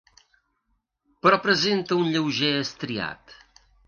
Però presenta un lleuger estriat.